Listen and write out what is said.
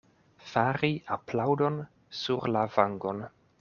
Fari aplaŭdon sur la vangon.